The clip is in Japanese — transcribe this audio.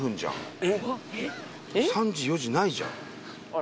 ３時４時ないじゃん。